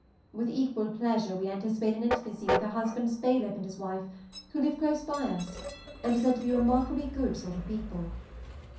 With equal pleasure we anticipate an intimacy with her husband's bailiff and his wife, who live close by us, and are said to be remarkably good sort of people.